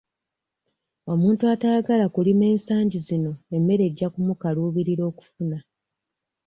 Omuntu atayagala kulima ensangi zino emmere ejja mmukaluubirira okufuna.